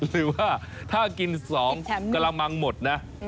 หรือว่าถ้ากิน๒กระมังหมดนะ